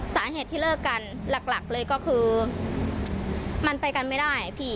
สาเหตุที่เลิกกันหลักเลยก็คือมันไปกันไม่ได้พี่